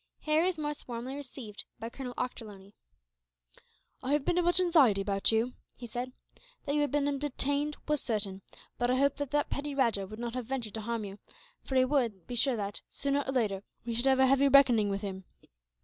Harry was most warmly received by Colonel Ochterlony. "I have been in much anxiety about you," he said. "That you had been detained was certain; but I hoped that that petty rajah would not have ventured to harm you, for he would be sure that, sooner or later, we should have a heavy reckoning with him."